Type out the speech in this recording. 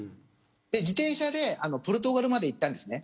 自転車でポルトガルまで行ったんですね。